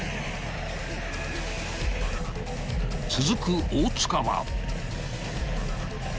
［続く大塚は］